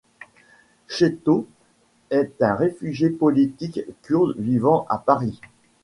Cheto est un réfugié politique kurde vivant à Paris.